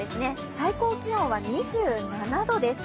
最高気温は２７度です。